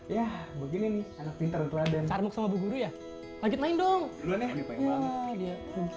ya begini pinter ada cari sama guru ya lagi main dong ya dia